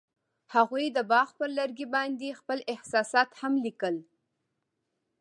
هغوی د باغ پر لرګي باندې خپل احساسات هم لیکل.